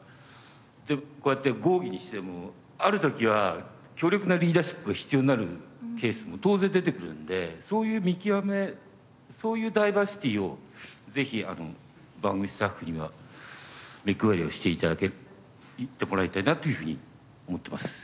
でこうやって合議にしてもある時は強力なリーダーシップが必要になるケースも当然出てくるのでそういう見極めそういうダイバーシティーをぜひ番組スタッフには目配りをしていってもらいたいなというふうに思っています。